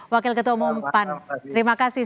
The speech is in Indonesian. wakil ketua umum pan terima kasih